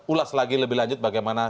ulas lagi lebih lanjut bagaimana